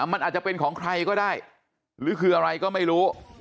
มันอาจจะเป็นของใครก็ได้หรือคืออะไรก็ไม่รู้